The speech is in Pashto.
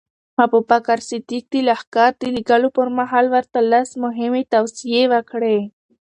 ابوبکر صدیق د لښکر د لېږلو پر مهال ورته لس مهمې توصیې وکړې.